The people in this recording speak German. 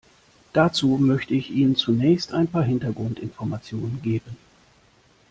Dazu möchte ich Ihnen zunächst ein paar Hintergrundinformationen geben.